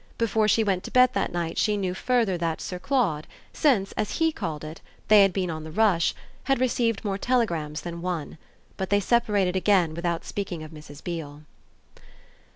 Before she went to bed that night she knew further that Sir Claude, since, as HE called it, they had been on the rush, had received more telegrams than one. But they separated again without speaking of Mrs. Beale.